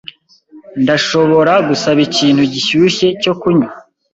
Ndashobora gusaba ikintu gishyushye cyo kunywa?